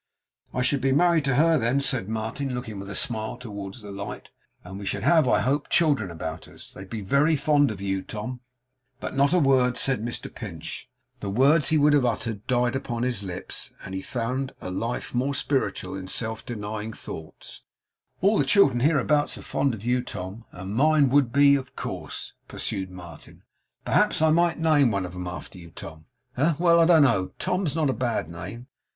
'I should be married to her then,' said Martin, looking with a smile towards the light; 'and we should have, I hope, children about us. They'd be very fond of you, Tom.' But not a word said Mr Pinch. The words he would have uttered died upon his lips, and found a life more spiritual in self denying thoughts. 'All the children hereabouts are fond of you, Tom, and mine would be, of course,' pursued Martin. 'Perhaps I might name one of 'em after you. Tom, eh? Well, I don't know. Tom's not a bad name.